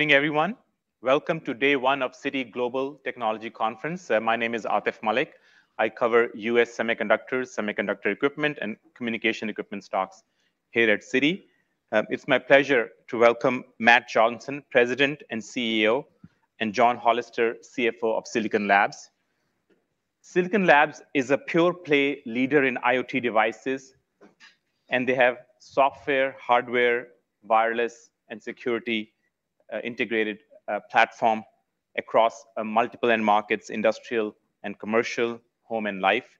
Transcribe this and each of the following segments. Good evening, everyone. Welcome to day one of Citi Global Technology Conference. My name is Atif Malik. I cover U.S. semiconductors, semiconductor equipment, and communication equipment stocks here at Citi. It's my pleasure to welcome Matt Johnson, President and CEO, and John Hollister, CFO of Silicon Labs. Silicon Labs is a pure-play leader in IoT devices, and they have software, hardware, wireless, and security integrated platform across multiple end markets, Industrial and Commercial, Home and Life.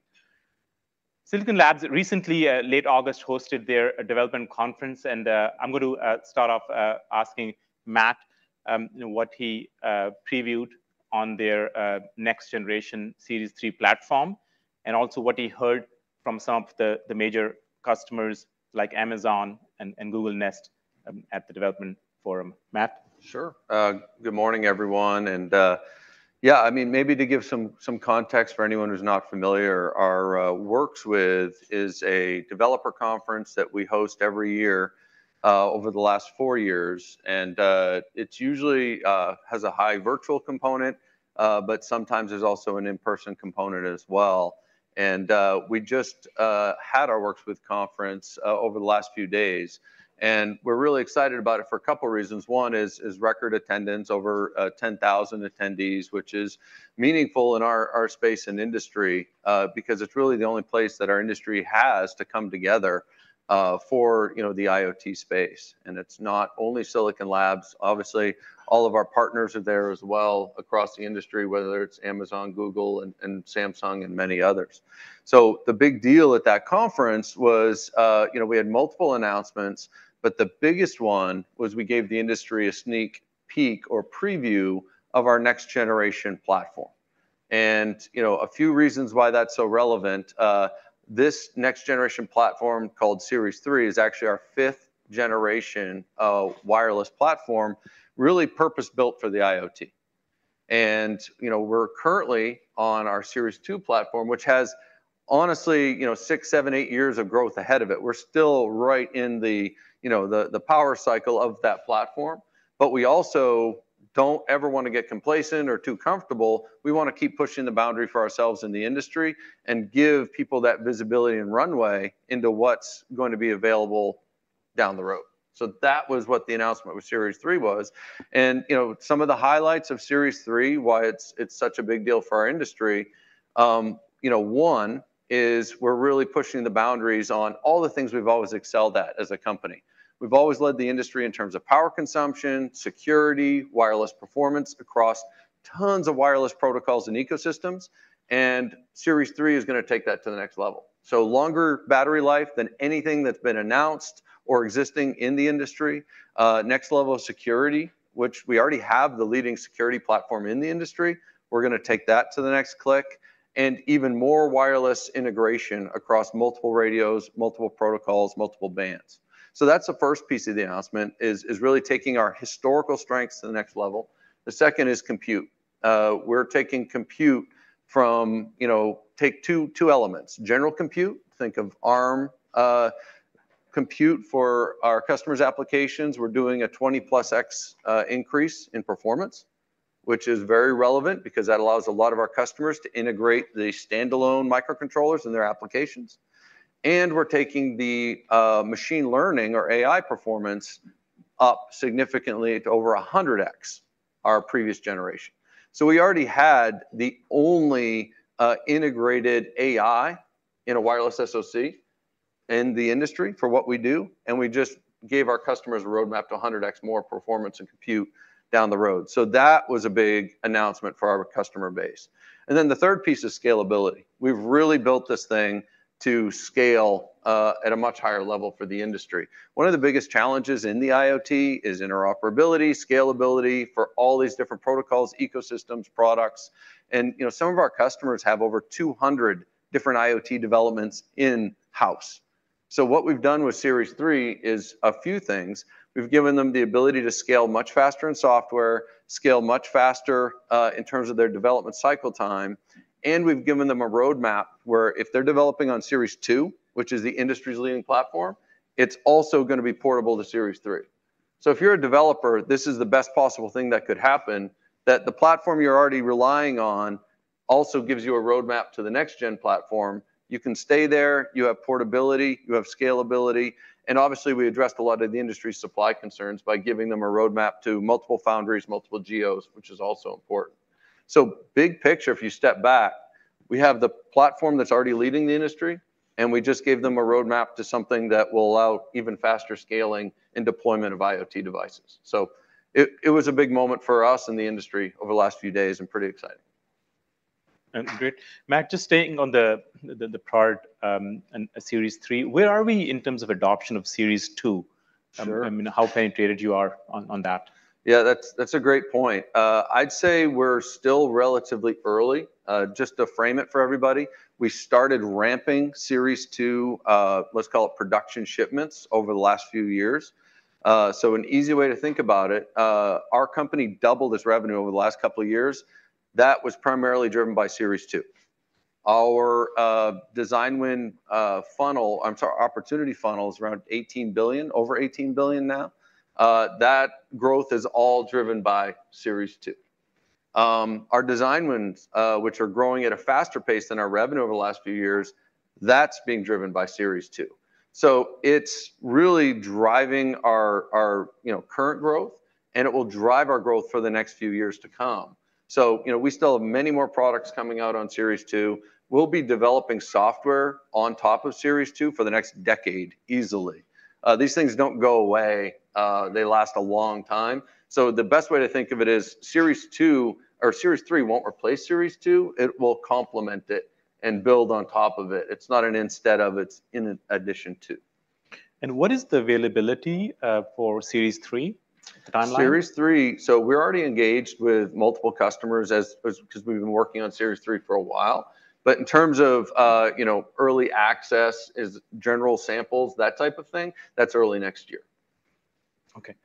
Silicon Labs recently late August hosted their development conference, and I'm going to start off asking Matt, you know, what he previewed on their next generation Series 3 platform, and also what he heard from some of the major customers like Amazon and Google Nest at the development forum. Matt? Sure. Good morning, everyone, and, yeah, I mean, maybe to give some context for anyone who's not familiar, our Works With is a developer conference that we host every year over the last four years. And it's usually has a high virtual component, but sometimes there's also an in-person component as well. And we just had our Works With Conference over the last few days, and we're really excited about it for a couple of reasons. One is record attendance, over 10,000 attendees, which is meaningful in our space and industry, because it's really only place that our industry has to come together for, you know, the IoT space. And it's not only Silicon Labs. Obviously, all of our partners are there as well across the industry, whether it's Amazon, Google, and Samsung, and many others. So the big deal at that conference was, you know, we had multiple announcements, but the biggest one was we gave the industry a sneak peek or preview of our next generation platform. And, you know, a few reasons why that's so relevant, this next generation platform, called Series three, is actually our fifth generation of wireless platform, really purpose-built for the IoT. And, you know, we're currently on our Series 2 platform, which has honestly, you know, six, seven, eight years of growth ahead of it. We're still right in the, you know, power cycle of that platform, but we also don't ever wanna get complacent or too comfortable. We wanna keep pushing the boundary for ourselves in the industry and give people that visibility and runway into what's going to be available down the road. So that was what the announcement with Series 3 was. And, you know, some of the highlights of Series 3, why it's such a big deal for our industry, you know, one is we're really pushing the boundaries on all the things we've always excelled at as a company. We've always led the industry in terms of power consumption, security, wireless performance across tons of wireless protocols and ecosystems, and Series 3 is gonna take that to the next level. So longer battery life than anything that's been announced or existing in the industry, next level of security, which we already have the leading security platform in the industry. We're gonna take that to the next click, and even more wireless integration across multiple radios, multiple protocols, multiple bands. So that's the first piece of the announcement, is really taking our historical strengths to the next level. The second is compute. We're taking compute from. You know, take two, two elements, general compute, think of Arm, compute for our customers' applications. We're doing a 20+ x increase in performance, which is very relevant because that allows a lot of our customers to integrate the standalone microcontrollers in their applications. And we're taking the machine learning or AI performance up significantly to over 100x our previous generation. So we already had the only integrated AI in a wireless SoC in the industry for what we do, and we just gave our customers a roadmap to 100x more performance and compute down the road. So that was a big announcement for our customer base. And then the third piece is scalability. We've really built this thing to scale at a much higher level for the industry. One of the biggest challenges in the IoT is interoperability, scalability for all these different protocols, ecosystems, products. And, you know, some of our customers have over 200 different IoT developments in-house. So what we've done with Series 3 is a few things. We've given them the ability to scale much faster in software, scale much faster, in terms of their development cycle time, and we've given them a roadmap where if they're developing on Series 2, which is the industry's leading platform, it's also gonna be portable to Series 3. So if you're a developer, this is the best possible thing that could happen, that the platform you're already relying on also gives you a roadmap to the next-gen platform. You can stay there, you have portability, you have scalability, and obviously, we addressed a lot of the industry's supply concerns by giving them a roadmap to multiple foundries, multiple geos, which is also important. So big picture, if you step back, we have the platform that's already leading the industry, and we just gave them a roadmap to something that will allow even faster scaling and deployment of IoT devices. So it, it was a big moment for us and the industry over the last few days, and pretty excited. Great. Matt, just staying on the part, and Series 3, where are we in terms of adoption of Series 2? Sure. I mean, how penetrated you are on, on that? Yeah, that's a great point. I'd say we're still relatively early. Just to frame it for everybody, we started ramping Series 2, let's call it production shipments, over the last few years. So an easy way to think about it, our company doubled its revenue over the last couple of years. That was primarily driven by Series 2. Our design win funnel, I'm sorry, opportunity funnel is around $18 billion, over $18 billion now. That growth is all driven by Series 2. Our design wins, which are growing at a faster pace than our revenue over the last few years, that's being driven by Series 2. So it's really driving our you know, current growth, and it will drive our growth for the next few years to come. You know, we still have many more products coming out on Series 2. We'll be developing software on top of Series 2 for the next decade, easily. These things don't go away, they last a long time. The best way to think of it is Series 2 or Series 3 won't replace Series 2, it will complement it and build on top of it. It's not an instead of, it's in addition to. What is the availability for Series 3? Timeline. Series 3, so we're already engaged with multiple customers as 'cause we've been working on Series 3 for a while. But in terms of, you know, early access, as general samples, that type of thing, that's early next year. Okay.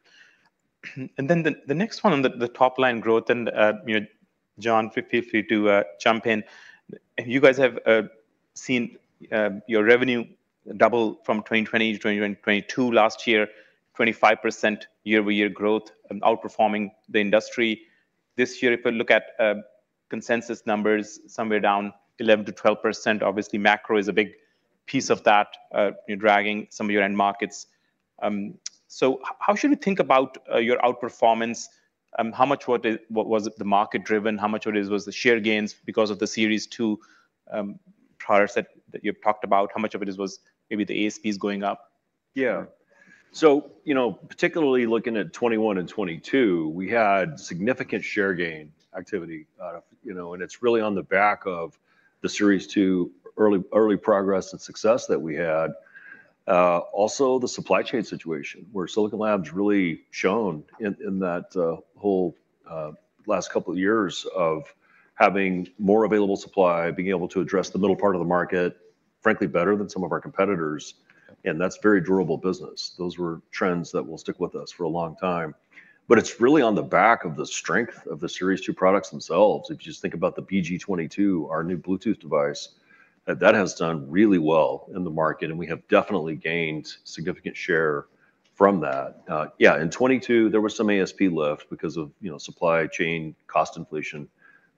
And then the next one on the top line growth and, you know, John, if you do jump in. You guys have seen your revenue double from 2020 to 2022 last year, 25% year-over-year growth and outperforming the industry. This year, if we look at consensus numbers, somewhere down 11%-12%. Obviously, macro is a big piece of that, you're dragging some of your end markets. So how should we think about your outperformance? How much what it- what was it the market driven? How much of it is was the share gains because of the Series 2 products that you've talked about? How much of it is was maybe the ASPs going up? Yeah. So, you know, particularly looking at 2021 and 2022, we had significant share gain activity, you know, and it's really on the back of the Series 2 early, early progress and success that we had. Also the supply chain situation, where Silicon Labs really shone in that whole last couple of years of having more available supply, being able to address the middle part of the market, frankly, better than some of our competitors, and that's very durable business. Those were trends that will stick with us for a long time. But it's really on the back of the strength of the Series 2 products themselves. If you just think about the BG22, our new Bluetooth device, that has done really well in the market, and we have definitely gained significant share from that. Yeah, in 2022, there was some ASP lift because of, you know, supply chain cost inflation,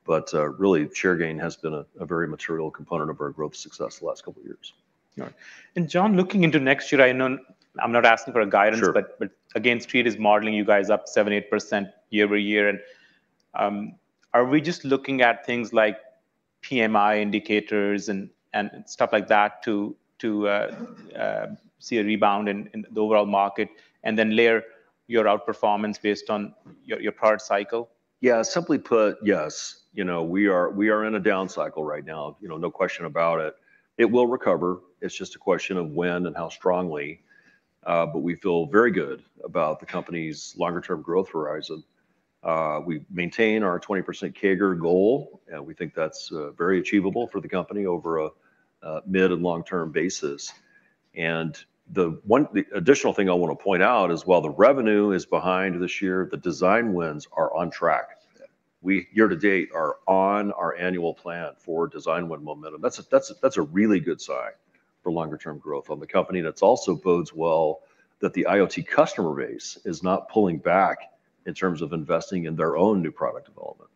but really, share gain has been a, a very material component of our growth success the last couple of years. Got it. And John, looking into next year, I know, I'm not asking for guidance. Sure. But again, Street is modeling you guys up 78% year-over-year. And are we just looking at things like PMI indicators and stuff like that to see a rebound in the overall market, and then layer your outperformance based on your product cycle? Yeah, simply put, yes. You know, we are in a down cycle right now, you know, no question about it. It will recover. It's just a question of when and how strongly, but we feel very good about the company's longer term growth horizon. We maintain our 20% CAGR goal, and we think that's very achievable for the company over a mid and long-term basis. And the additional thing I want to point out is, while the revenue is behind this year, the design wins are on track. We, year to date, are on our annual plan for design win momentum. That's a really good sign for longer term growth on the company, and it also bodes well that the IoT customer base is not pulling back in terms of investing in their own new product development.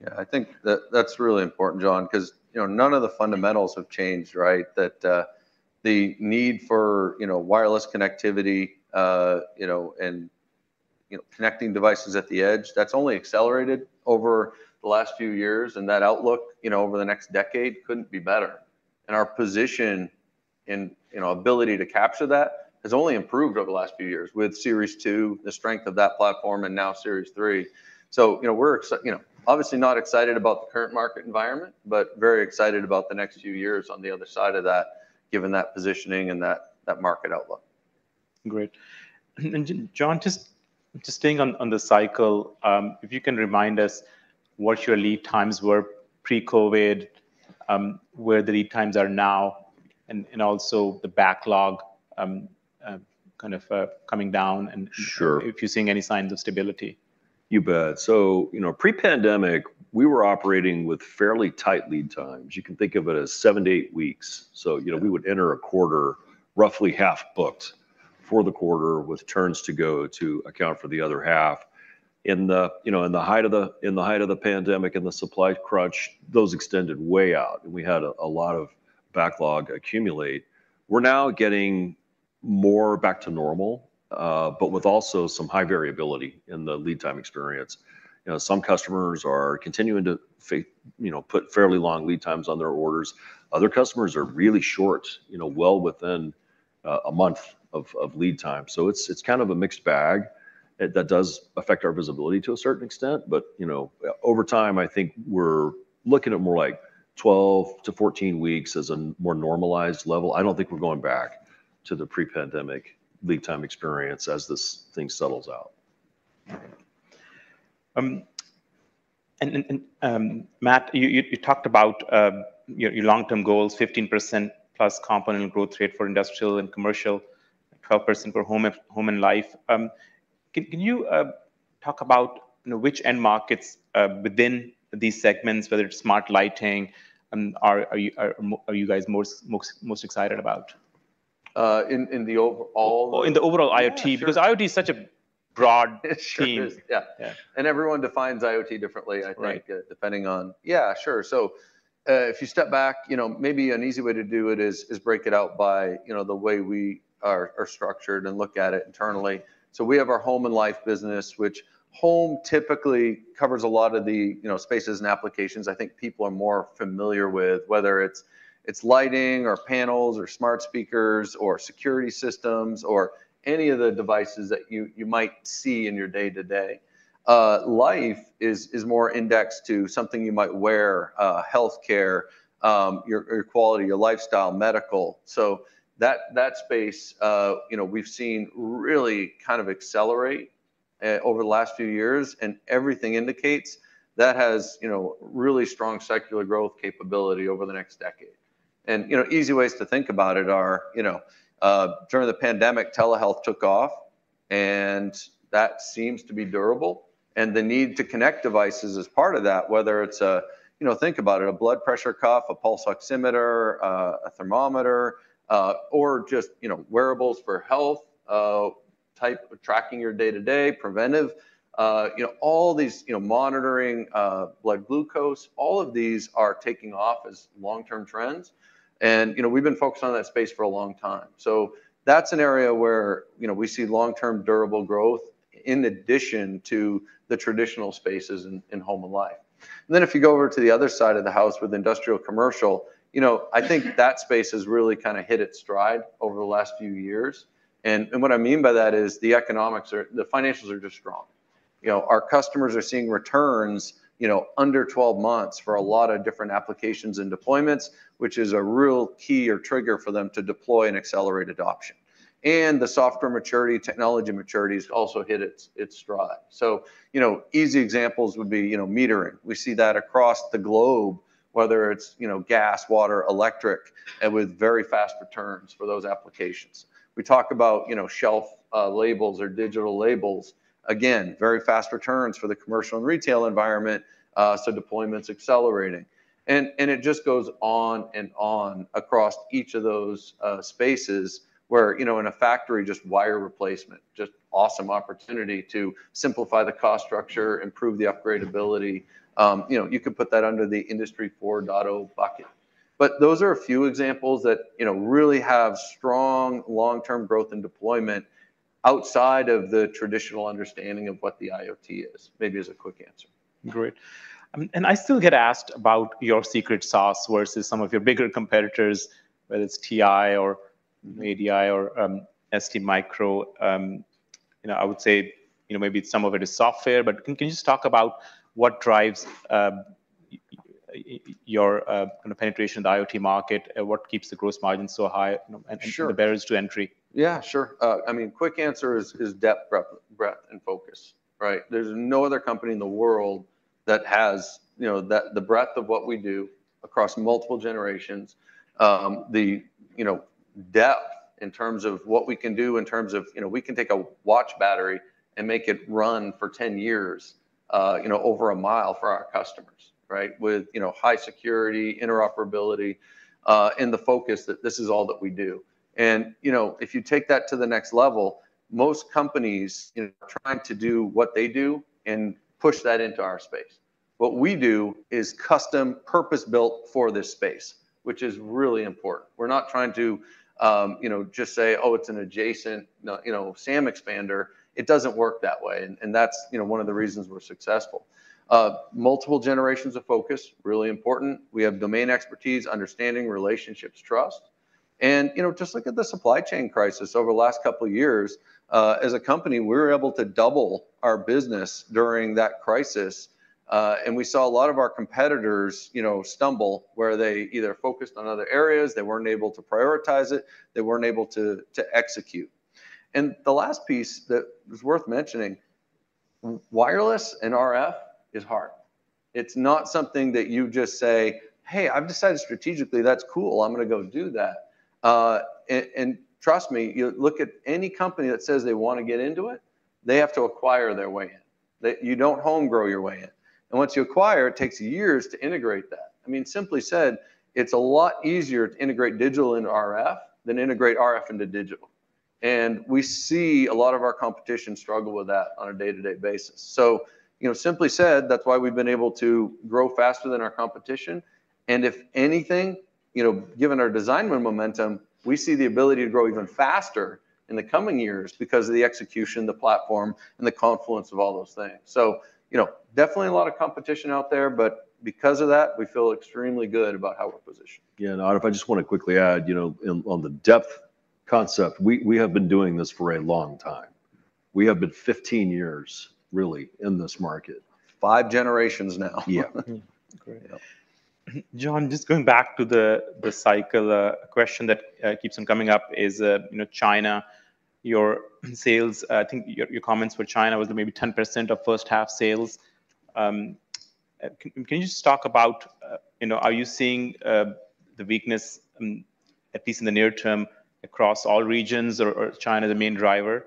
Yeah, I think that that's really important, John, 'cause, you know, none of the fundamentals have changed, right? That, the need for, you know, wireless connectivity, you know, and, you know, connecting devices at the edge, that's only accelerated over the last few years, and that outlook, you know, over the next decade couldn't be better. And our position and, you know, ability to capture that has only improved over the last few years with Series 2, the strength of that platform, and now Series 3. So, you know, we're excited, you know, obviously not excited about the current market environment, but very excited about the next few years on the other side of that, given that positioning and that market outlook. Great. And John, just staying on the cycle, if you can remind us what your lead times were pre-COVID, where the lead times are now, and also the backlog, kind of coming down, and- Sure... if you're seeing any signs of stability. You bet. So, you know, pre-pandemic, we were operating with fairly tight lead times. You can think of it as seven to eight weeks. So, you know, we would enter a quarter, roughly half booked for the quarter, with turns to go to account for the other half. In the height of the pandemic and the supply crunch, those extended way out, and we had a lot of backlog accumulate. We're now getting more back to normal, but with also some high variability in the lead time experience. You know, some customers are continuing to put fairly long lead times on their orders. Other customers are really short, you know, well within a month of lead time. So it's kind of a mixed bag. That does affect our visibility to a certain extent, but, you know, over time, I think we're looking at more like 12-14 weeks as a more normalized level. I don't think we're going back to the pre-pandemic lead time experience as this thing settles out. And then, Matt, you talked about your long-term goals, 15%+ compound annual growth rate for industrial and commercial... 12% for home and life. Can you talk about, you know, which end markets within these segments, whether it's smart lighting, are you guys most excited about? In the overall- In the overall IoT- Yeah, sure. Because IoT is such a broad- It sure is. -scheme. Yeah. Yeah. Everyone defines IoT differently, I think. Right... depending on. Yeah, sure. So, if you step back, you know, maybe an easy way to do it is break it out by, you know, the way we are structured and look at it internally. So we have our home and life business, which home typically covers a lot of the, you know, spaces and applications I think people are more familiar with, whether it's lighting, or panels, or smart speakers, or security systems, or any of the devices that you might see in your day-to-day. Life is more indexed to something you might wear, healthcare, your quality, your lifestyle, medical. So that space, you know, we've seen really kind of accelerate over the last few years, and everything indicates that has, you know, really strong secular growth capability over the next decade. You know, easy ways to think about it are, you know, during the pandemic, telehealth took off, and that seems to be durable, and the need to connect devices is part of that, whether it's a... You know, think about it, a blood pressure cuff, a pulse oximeter, a thermometer, or just, you know, wearables for health, type of tracking your day-to-day, preventive. You know, all these, you know, monitoring, blood glucose, all of these are taking off as long-term trends. You know, we've been focused on that space for a long time. So that's an area where, you know, we see long-term durable growth in addition to the traditional spaces in home and life. And then if you go over to the other side of the house with Industrial Commercial, you know, I think that space has really kind of hit its stride over the last few years. And what I mean by that is the financials are just strong. You know, our customers are seeing returns, you know, under 12 months for a lot of different applications and deployments, which is a real key or trigger for them to deploy and accelerate adoption. And the software maturity, technology maturity has also hit its stride. So, you know, easy examples would be, you know, metering. We see that across the globe, whether it's, you know, gas, water, electric, and with very fast returns for those applications. We talk about, you know, shelf labels or digital labels. Again, very fast returns for the commercial and retail environment, so deployment's accelerating. And it just goes on and on across each of those spaces where, you know, in a factory, just wire replacement, just awesome opportunity to simplify the cost structure, improve the upgradeability. You know, you could put that under the Industry 4.0 bucket. But those are a few examples that, you know, really have strong long-term growth and deployment outside of the traditional understanding of what the IoT is. Maybe as a quick answer. Great. And I still get asked about your secret sauce versus some of your bigger competitors, whether it's TI or ADI, or, STMicro. You know, I would say, you know, maybe some of it is software, but can you just talk about what drives your kind of penetration in the IoT market, and what keeps the gross margin so high, you know- Sure... and the barriers to entry? Yeah, sure. I mean, quick answer is, is depth, breadth, and focus, right? There's no other company in the world that has, you know, the, the breadth of what we do across multiple generations, the, you know, depth in terms of what we can do in terms of- you know, we can take a watch battery and make it run for 10 years, you know, over a mile for our customers, right? With, you know, high security, interoperability, and the focus that this is all that we do. And, you know, if you take that to the next level, most companies, you know, are trying to do what they do and push that into our space. What we do is custom purpose-built for this space, which is really important. We're not trying to, you know, just say, "Oh, it's an adjacent," you know, SAM expander. It doesn't work that way, and, and that's, you know, one of the reasons we're successful. Multiple generations of focus, really important. We have domain expertise, understanding, relationships, trust. And, you know, just look at the supply chain crisis over the last couple of years. As a company, we were able to double our business during that crisis, and we saw a lot of our competitors, you know, stumble, where they either focused on other areas, they weren't able to prioritize it, they weren't able to, to execute. And the last piece that is worth mentioning, wireless and RF is hard. It's not something that you just say, "Hey, I've decided strategically, that's cool. I'm gonna go do that. Trust me, you look at any company that says they want to get into it, they have to acquire their way in. You don't home grow your way in. And once you acquire, it takes years to integrate that. I mean, simply said, it's a lot easier to integrate digital into RF than integrate RF into digital. And we see a lot of our competition struggle with that on a day-to-day basis. So, you know, simply said, that's why we've been able to grow faster than our competition. And if anything, you know, given our design win momentum, we see the ability to grow even faster in the coming years because of the execution, the platform, and the confluence of all those things. You know, definitely a lot of competition out there, but because of that, we feel extremely good about how we're positioned. Yeah, Atif, I just wanna quickly add, you know, on the depth concept, we have been doing this for a long time. We have been 15 years, really, in this market. Five generations now. Yeah. Mm-hmm. Great. Yeah. John, just going back to the cycle question that keeps on coming up is, you know, China, your sales. I think your comments for China was maybe 10% of first half sales. Can you just talk about, you know, are you seeing the weakness, at least in the near term, across all regions, or China the main driver?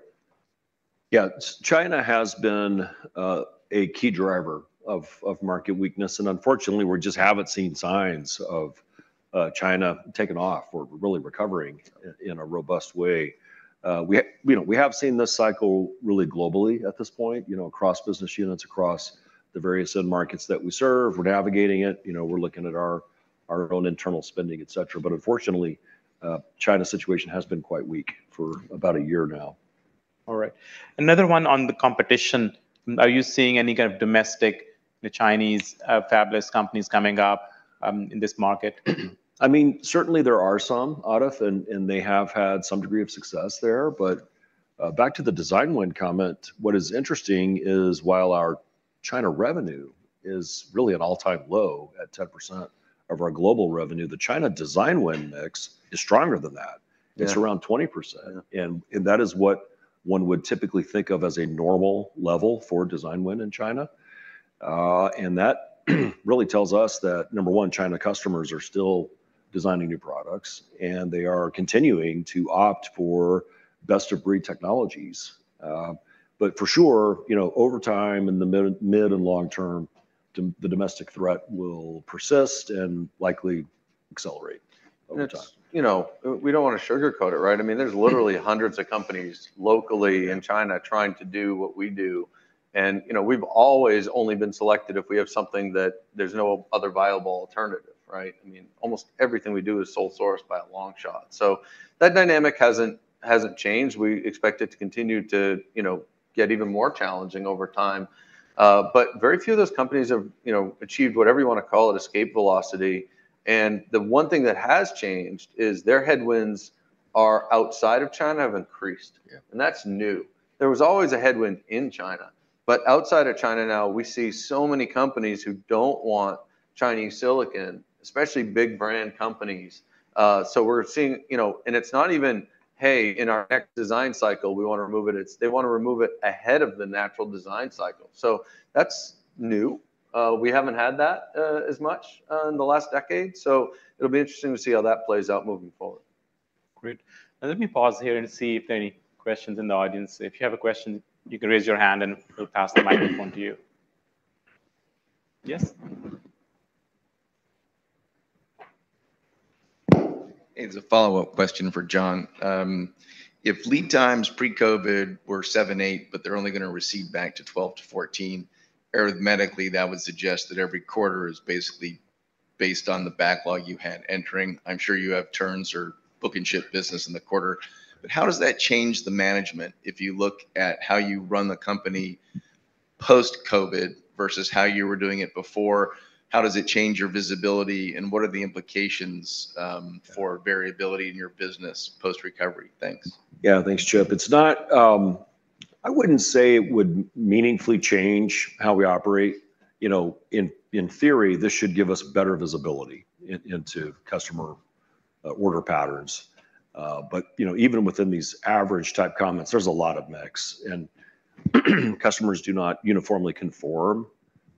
Yeah. China has been a key driver of market weakness, and unfortunately, we just haven't seen signs of China taking off or really recovering in a robust way. We, you know, we have seen this cycle really globally at this point, you know, across business units, across the various end markets that we serve. We're navigating it, you know, we're looking at our own internal spending, et cetera. But unfortunately, China's situation has been quite weak for about a year now. All right. Another one on the competition. Are you seeing any kind of domestic, the Chinese, fabless companies coming up in this market? I mean, certainly there are some others, and they have had some degree of success there. But back to the design win comment, what is interesting is, while our China revenue is really at an all-time low, at 10% of our global revenue, the China design win mix is stronger than that. Yeah. It's around 20%. Yeah. And that is what one would typically think of as a normal level for design win in China. And that really tells us that, number one, China customers are still designing new products, and they are continuing to opt for best-of-breed technologies. But for sure, you know, over time, in the mid- and long term, the domestic threat will persist and likely accelerate over time. You know, we don't want to sugarcoat it, right? I mean, there's literally hundreds of companies locally in China trying to do what we do. You know, we've always only been selected if we have something that there's no other viable alternative, right? I mean, almost everything we do is sole sourced by a long shot. That dynamic hasn't changed. We expect it to continue to, you know, get even more challenging over time. But very few of those companies have, you know, achieved whatever you want to call it, escape velocity. The one thing that has changed is their headwinds outside of China have increased. Yeah. That's new. There was always a headwind in China, but outside of China now, we see so many companies who don't want Chinese silicon, especially big brand companies. So we're seeing, you know, and it's not even, "Hey, in our next design cycle, we want to remove it," it's they want to remove it ahead of the natural design cycle. So that's new. We haven't had that, as much, in the last decade, so it'll be interesting to see how that plays out moving forward. Great. And let me pause here and see if there are any questions in the audience. If you have a question, you can raise your hand, and we'll pass the microphone to you. Yes? It's a follow-up question for John. If lead times pre-COVID were seven, eight, but they're only going to recede back to 12-14, arithmetically, that would suggest that every quarter is basically based on the backlog you had entering. I'm sure you have turns or book and ship business in the quarter, but how does that change the management if you look at how you run the company post-COVID versus how you were doing it before? How does it change your visibility, and what are the implications for variability in your business post-recovery? Thanks. Yeah. Thanks, Chip. It's not... I wouldn't say it would meaningfully change how we operate. You know, in theory, this should give us better visibility into customer order patterns. But, you know, even within these average-type comments, there's a lot of mix, and customers do not uniformly conform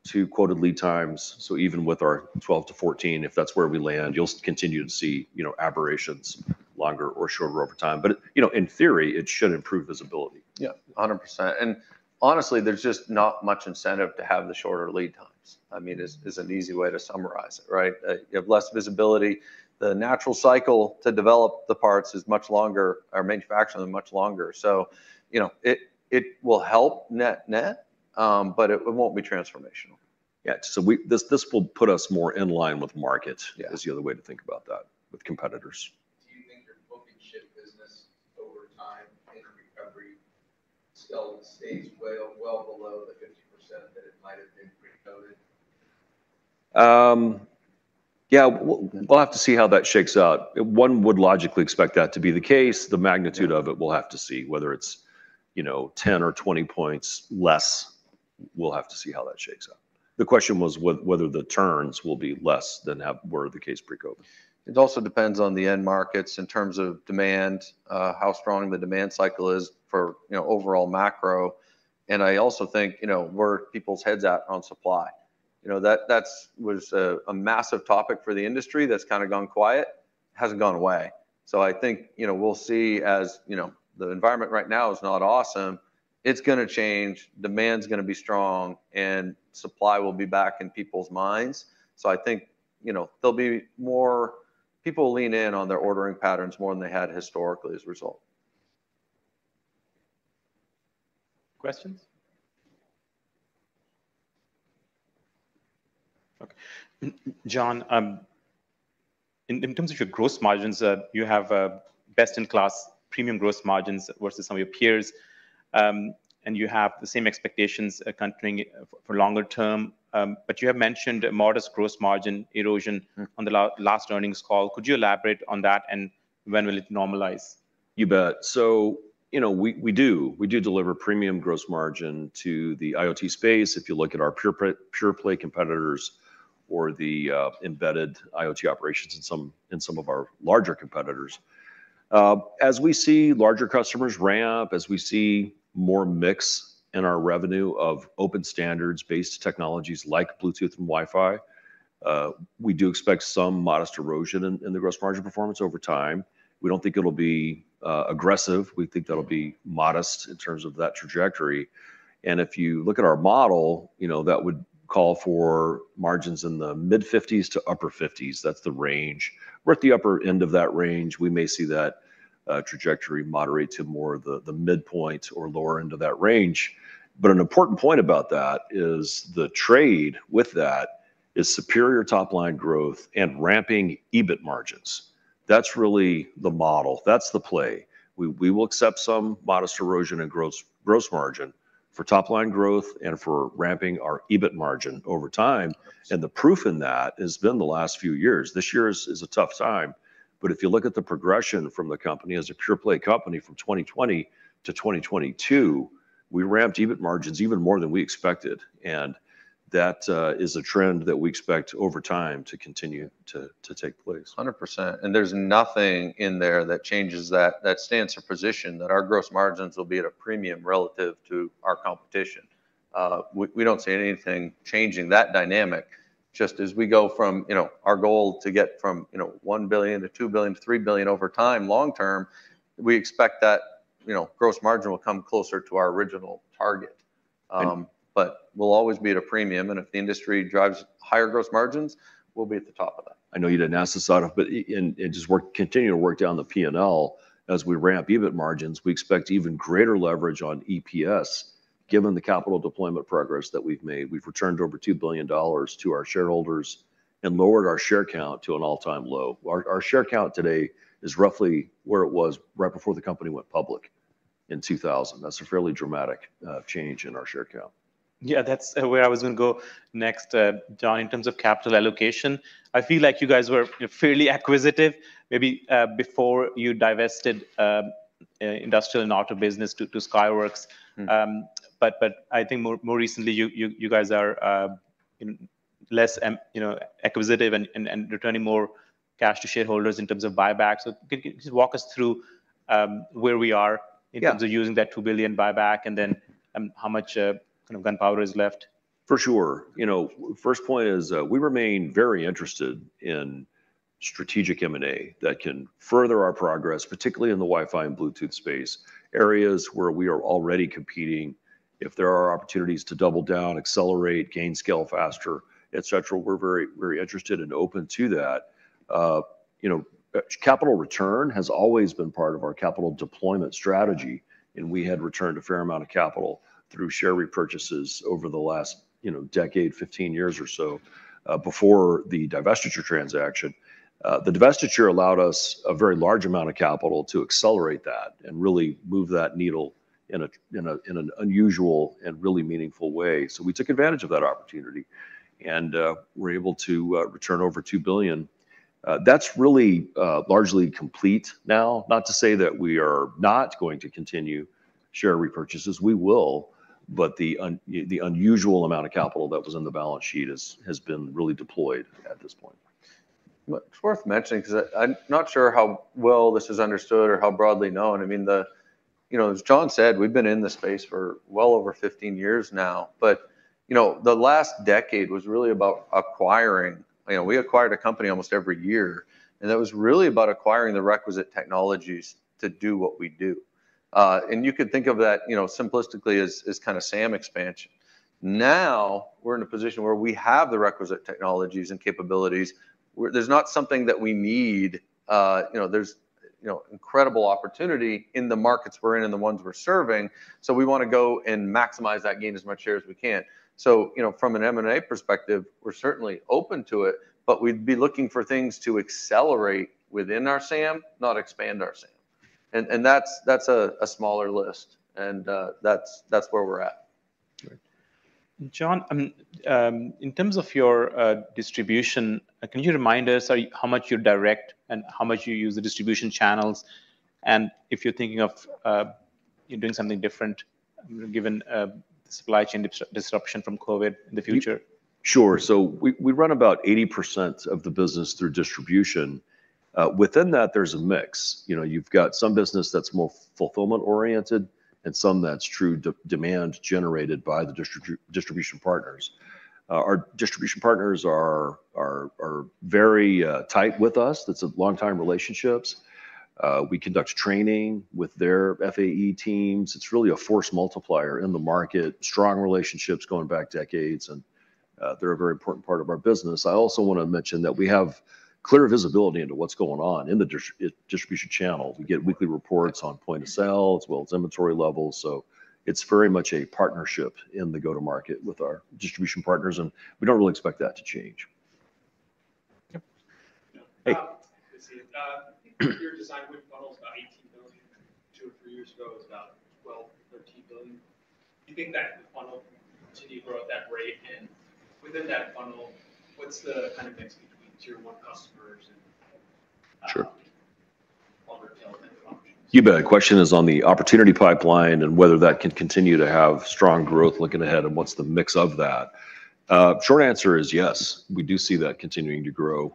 to quoted lead times. So even with our 12-14, if that's where we land, you'll continue to see, you know, aberrations longer or shorter over time. But, you know, in theory, it should improve visibility. Yeah, 100%. And honestly, there's just not much incentive to have the shorter lead times. I mean, it's, it's an easy way to summarize it, right? You have less visibility. The natural cycle to develop the parts is much longer, or manufacturing them much longer. So, you know, it, it will help net net, but it, it won't be transformational. Yeah. So this, this will put us more in line with market- Yeah... is the other way to think about that, with competitors. Do you think your book and ship business over time in recovery still stays well, well below the 50% that it might have been pre-COVID? Yeah, we'll have to see how that shakes out. One would logically expect that to be the case. The magnitude of it- Yeah... we'll have to see. Whether it's, you know, 10 or 20 points less, we'll have to see how that shakes out. The question was whether the turns will be less than were the case pre-COVID. It also depends on the end markets in terms of demand, how strong the demand cycle is for, you know, overall macro. And I also think, you know, where people's heads are at on supply. You know, that was a massive topic for the industry that's kind of gone quiet. It hasn't gone away. So I think, you know, we'll see, as you know, the environment right now is not awesome, it's going to change, demand's going to be strong, and supply will be back in people's minds. So I think, you know, there'll be more... People will lean in on their ordering patterns more than they had historically as a result. Questions? Okay. John, in terms of your gross margins, you have best-in-class premium gross margins versus some of your peers, and you have the same expectations continuing for longer term, but you have mentioned a modest gross margin erosion. Mm... on the last earnings call. Could you elaborate on that, and when will it normalize? You bet. So, you know, we do deliver premium gross margin to the IoT space. If you look at our pure-play competitors or the embedded IoT operations in some of our larger competitors. As we see larger customers ramp, as we see more mix in our revenue of open standards-based technologies like Bluetooth and Wi-Fi, we do expect some modest erosion in the gross margin performance over time. We don't think it'll be aggressive. We think that'll be modest in terms of that trajectory. And if you look at our model, you know, that would call for margins in the mid-50s% to upper 50s%. That's the range. We're at the upper end of that range. We may see that trajectory moderate to more of the midpoint or lower end of that range. But an important point about that is the trade with that is superior top-line growth and ramping EBIT margins. That's really the model, that's the play. We, we will accept some modest erosion in gross, gross margin for top-line growth and for ramping our EBIT margin over time, and the proof in that has been the last few years. This year is, is a tough time. But if you look at the progression from the company as a pure-play company from 2020 to 2022, we ramped EBIT margins even more than we expected, and that is a trend that we expect over time to continue to, to take place. 100%, and there's nothing in there that changes that. That stands in position that our gross margins will be at a premium relative to our competition. We don't see anything changing that dynamic. Just as we go from, you know, our goal to get from, you know, $1 billion-$2 billion-$3 billion over time, long term, we expect that, you know, gross margin will come closer to our original target. But we'll always be at a premium, and if the industry drives higher gross margins, we'll be at the top of that. I know you didn't ask this, Atif, but and, and just continue to work down the P&L. As we ramp EBIT margins, we expect even greater leverage on EPS, given the capital deployment progress that we've made. We've returned over $2 billion to our shareholders and lowered our share count to an all-time low. Our, our share count today is roughly where it was right before the company went public in 2000. That's a fairly dramatic change in our share count. Yeah, that's where I was gonna go next. John, in terms of capital allocation, I feel like you guys were, you know, fairly acquisitive, maybe, before you divested industrial and auto business to Skyworks. Mm. I think more recently, you guys are less acquisitive and returning more cash to shareholders in terms of buybacks. So could you just walk us through where we are- Yeah... in terms of using that $2 billion buyback, and then, kind of gunpowder is left? For sure. You know, first point is, we remain very interested in strategic M&A that can further our progress, particularly in the Wi-Fi and Bluetooth space, areas where we are already competing. If there are opportunities to double down, accelerate, gain scale faster, et cetera, we're very, very interested and open to that. You know, capital return has always been part of our capital deployment strategy, and we had returned a fair amount of capital through share repurchases over the last, you know, decade, 15 years or so, before the divestiture transaction. The divestiture allowed us a very large amount of capital to accelerate that and really move that needle in an unusual and really meaningful way. So we took advantage of that opportunity, and, we're able to, return over $2 billion. That's really, largely complete now. Not to say that we are not going to continue share repurchases, we will, but the unusual amount of capital that was on the balance sheet has been really deployed at this point. Well, it's worth mentioning, 'cause I'm not sure how well this is understood or how broadly known. I mean, the, you know, as John said, we've been in this space for well over 15 years now. But, you know, the last decade was really about acquiring. You know, we acquired a company almost every year, and that was really about acquiring the requisite technologies to do what we do. And you could think of that, you know, simplistically as, as kind of SAM expansion. Now, we're in a position where we have the requisite technologies and capabilities, where there's not something that we need. You know, there's, you know, incredible opportunity in the markets we're in and the ones we're serving, so we want to go and maximize that gain as much share as we can. So, you know, from an M&A perspective, we're certainly open to it, but we'd be looking for things to accelerate within our SAM, not expand our SAM. And that's a smaller list, and that's where we're at. Right. John, in terms of your distribution, can you remind us how much you direct and how much you use the distribution channels? And if you're thinking of you doing something different, given the supply chain disruption from COVID in the future. Sure. So we run about 80% of the business through distribution. Within that, there's a mix. You know, you've got some business that's more fulfillment-oriented and some that's true demand generated by the distribution partners. Our distribution partners are very tight with us. That's long-time relationships. We conduct training with their FAE teams. It's really a force multiplier in the market, strong relationships going back decades, and they're a very important part of our business. I also wanna mention that we have clear visibility into what's going on in the distribution channel. We get weekly reports on point of sale as well as inventory levels, so it's very much a partnership in the go-to-market with our distribution partners, and we don't really expect that to change. Yep. Hey. Let's see. Your design win funnel's about $18 billion. Two or three years ago, it was about $12 billion-$13 billion. Do you think that funnel will continue to grow at that rate? And within that funnel, what's the kind of mix between tier one customers and- Sure... You bet. The question is on the opportunity pipeline and whether that can continue to have strong growth looking ahead, and what's the mix of that? Short answer is yes, we do see that continuing to grow,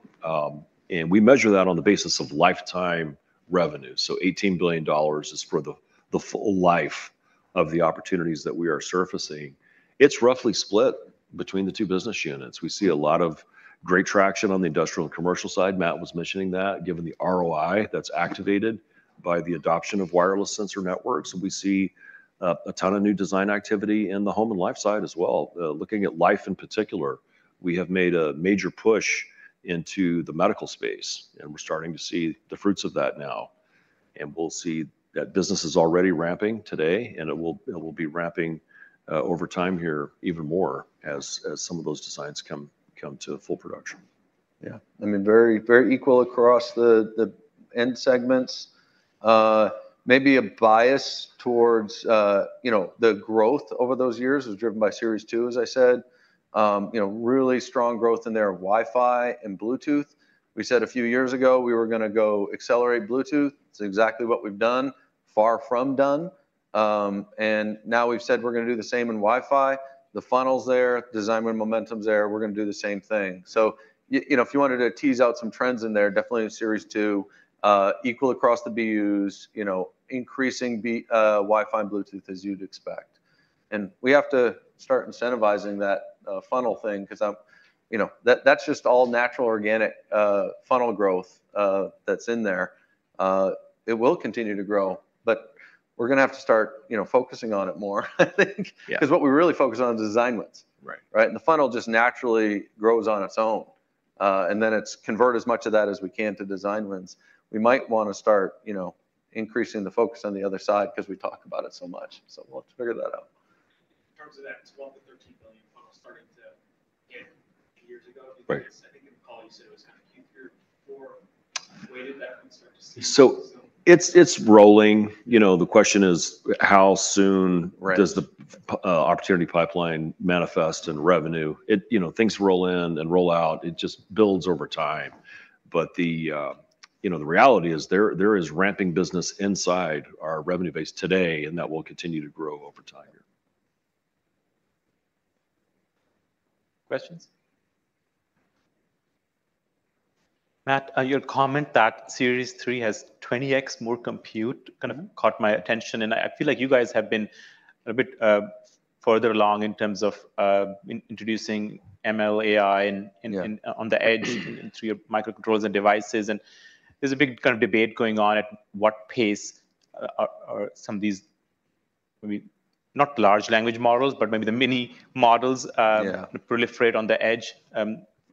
and we measure that on the basis of lifetime revenue. So $18 billion is for the full life of the opportunities that we are surfacing. It's roughly split between the two business units. We see a lot of great traction on the industrial and commercial side. Matt was mentioning that, given the ROI that's activated by the adoption of wireless sensor networks. We see a ton of new design activity in the home and life side as well. Looking at life in particular, we have made a major push into the medical space, and we're starting to see the fruits of that now. We'll see that business is already ramping today, and it will be ramping over time here even more as some of those designs come to full production. Yeah. I mean, very, very equal across the end segments. Maybe a bias towards, you know, the growth over those years is driven by Series 2, as I said. You know, really strong growth in their Wi-Fi and Bluetooth. We said a few years ago we were gonna go accelerate Bluetooth. It's exactly what we've done. Far from done. And now we've said we're gonna do the same in Wi-Fi. The funnel's there, design win momentum's there, we're gonna do the same thing. So you know, if you wanted to tease out some trends in there, definitely in Series 2, equal across the BUs, you know, increasing BUs, Wi-Fi and Bluetooth, as you'd expect. And we have to start incentivizing that funnel thing, 'cause, you know, that, that's just all natural, organic funnel growth, that's in there. It will continue to grow, but we're gonna have to start, you know, focusing on it more, I think- Yeah... 'cause what we really focus on is design wins. Right. Right? The funnel just naturally grows on its own. Then it's convert as much of that as we can to design wins. We might wanna start, you know, increasing the focus on the other side because we talk about it so much, so we'll have to figure that out. In terms of that $12 billion-$13 billion funnel starting to get a few years ago- Right I think in the call, you said it was kind of Q3, Q4. When did that one start to see? So it's rolling. You know, the question is, how soon- Right... does the opportunity pipeline manifest in revenue? You know, things roll in and roll out. It just builds over time. But you know, the reality is, there is ramping business inside our revenue base today, and that will continue to grow over time here. Questions? Matt, your comment that Series 3 has 20x more compute- Mm-hmm... kind of caught my attention, and I, I feel like you guys have been a bit, further along in terms of, in introducing ML, AI and in- Yeah... on the edge through your microcontrollers and devices. And there's a big kind of debate going on at what pace are some of these, maybe not large language models, but maybe the mini models, Yeah... proliferate on the edge,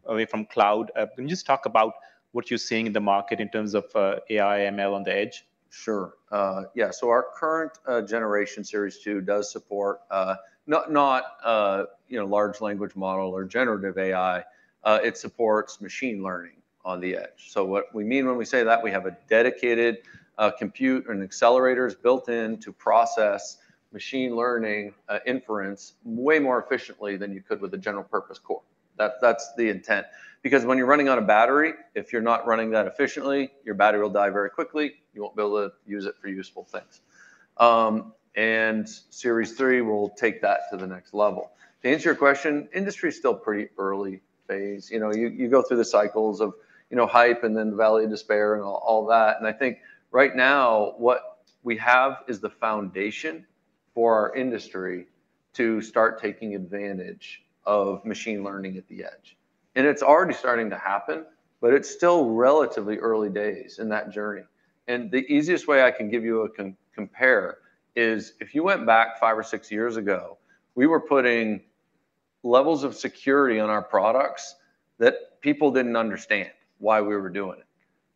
away from cloud. Can you just talk about what you're seeing in the market in terms of, AI, ML on the edge? Sure. So our current generation Series 2 does support, not, you know, large language model or generative AI, it supports machine learning on the edge. So what we mean when we say that, we have a dedicated compute and accelerators built in to process machine learning inference way more efficiently than you could with a general purpose core. That's the intent. Because when you're running on a battery, if you're not running that efficiently, your battery will die very quickly. You won't be able to use it for useful things. And Series 3 will take that to the next level. To answer your question, industry is still pretty early phase. You know, you go through the cycles of, you know, hype and then valley of despair and all that. I think right now, what we have is the foundation for our industry to start taking advantage of machine learning at the edge. And it's already starting to happen, but it's still relatively early days in that journey. And the easiest way I can give you a comparison is if you went back five or six years ago, we were putting levels of security on our products that people didn't understand why we were doing it.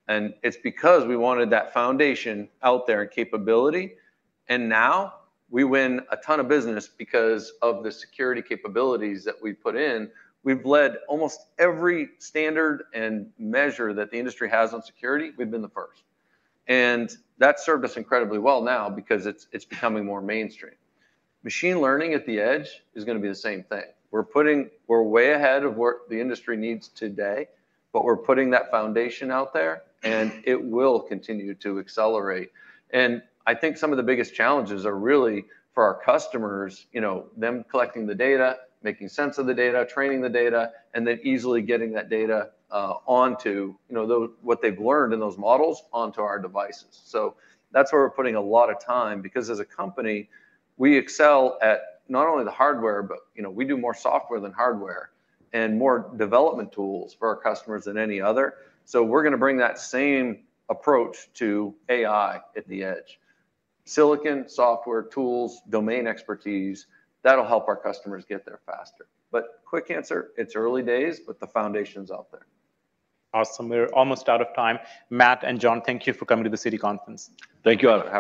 And it's because we wanted that foundation out there and capability, and now we win a ton of business because of the security capabilities that we've put in. We've led almost every standard and measure that the industry has on security; we've been the first. And that served us incredibly well now because it's becoming more mainstream. Machine learning at the edge is gonna be the same thing. We're way ahead of what the industry needs today, but we're putting that foundation out there, and it will continue to accelerate. And I think some of the biggest challenges are really for our customers, you know, them collecting the data, making sense of the data, training the data, and then easily getting that data onto, you know, the what they've learned in those models, onto our devices. So that's where we're putting a lot of time because, as a company, weser excel at not only the hardware, but, you know, we do more software than hardware and more development tools for our customers than any other. So we're gonna bring that same approach to AI at the edge. Silicon, software, tools, domain expertise, that'll help our customers get there faster. But quick answer, it's early days, but the foundation's out there. Awesome. We're almost out of time. Matt and John, thank you for coming to the Citi conference. Thank you, Atif, have a good-